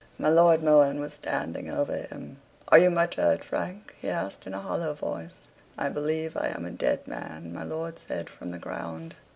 My Lord Mohun was standing over him. "Are you much hurt, Frank?" he asked in a hollow voice. "I believe I am a dead man," my lord said from the ground.